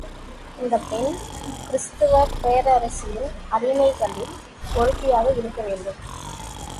இந்தப் புெண் கிறிஸ்துவப் பேரரசரின் அடிமைகளில் ஒருத்தியாக இருக்க வேண்டும்.